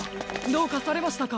どうかされましたか？